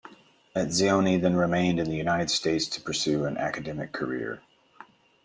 Etzioni then remained in the United States to pursue an academic career.